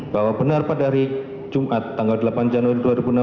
bahwa benar pada hari jumat tanggal delapan januari dua ribu enam belas